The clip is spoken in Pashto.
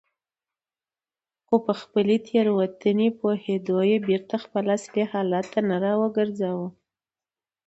خو په خپلې تېروتنې پوهېدو یې بېرته خپل اصلي حالت ته راوګرځاوه.